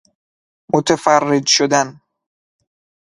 متفرج شدن